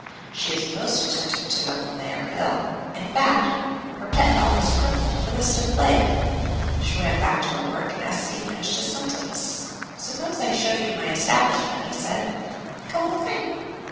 She is most attentive to them when they are ill. In fact, her pet doll is a cripple, with a stiff leg." She ran back to her work and S.C. finished his sentence. "Suppose I show you my establishment," he said. "Come with me."